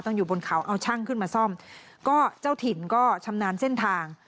อยู่บนเขาเอาช่างขึ้นมาซ่อมก็เจ้าถิ่นก็ชำนาญเส้นทาง